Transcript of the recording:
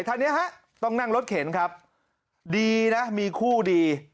ท่านเนี้ยฮะต้องนั่งรถเข็นครับดีนะมีคู่ดี